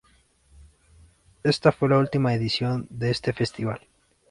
Esta fue la última edición de este festival.